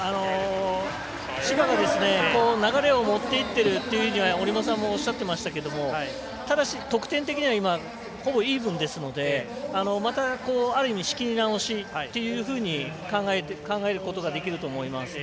千葉の流れを持っていってるというふうには折茂さんもおっしゃっていましたけどただし、得点的にはほぼイーブンですのでまた、ある意味仕切り直しというふうに考えることができると思います。